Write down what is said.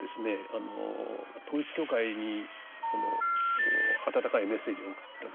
あの統一教会にこの温かいメッセージを送ったんですかね。